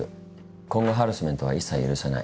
今後ハラスメントは一切許さない。